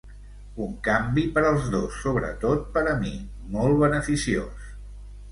Un canvi per als dos, sobretot per a mi, molt beneficiós.